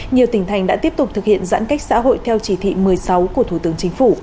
nhiều tỉnh thành đã tiếp tục thực hiện giãn cách xã hội theo chỉ thị một mươi sáu của thủ tướng chính phủ